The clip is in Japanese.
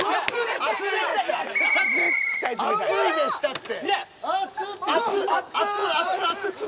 熱いでしたって！